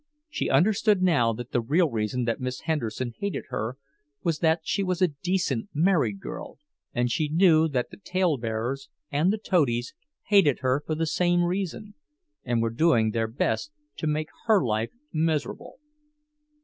She understood now that the real reason that Miss Henderson hated her was that she was a decent married girl; and she knew that the talebearers and the toadies hated her for the same reason, and were doing their best to make her life miserable.